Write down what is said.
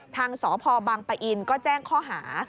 ทางสพบังปะอินก็แจ้งข้อหา